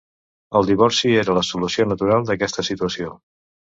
El divorci era la solució natural d'aquesta situació.